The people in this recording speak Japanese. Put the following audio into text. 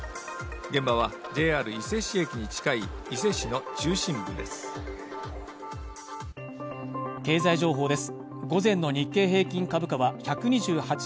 現場はＪＲ伊勢市駅に近い伊勢市の中心部です